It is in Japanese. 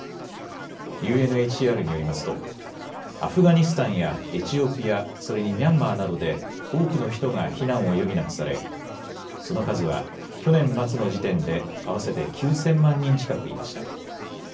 ＵＮＨＣＲによりますとアフガニスタンやエチオピア、それにミャンマーなどで多くの人が避難を余儀なくされその数は去年末の時点で合わせて９０００万人近くいました。